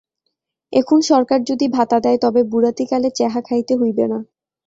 এখুন সরকার যুদি ভাতা দেয়, তবে বুড়াতিকালে চ্যাহা খাইতে হোইবে না।